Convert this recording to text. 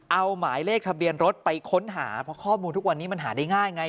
เอาหมายเลขทะเบียนรถไปค้นหาเพราะข้อมูลทุกวันนี้มันหาได้ง่ายไง